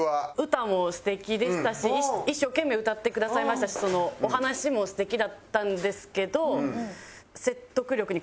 歌も素敵でしたし一生懸命歌ってくださいましたしお話も素敵だったんですけど。